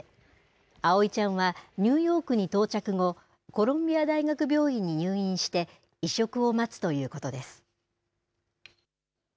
葵ちゃんはニューヨークに到着後コロンビア大学病院に入院して移植を待つということです。